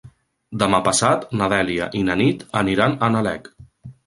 Demà passat na Dèlia i na Nit aniran a Nalec.